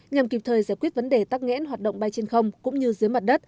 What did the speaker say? nhằm kịp thời giải quyết vấn đề tắc nghẽn hoạt động bay trên không cũng như dưới mặt đất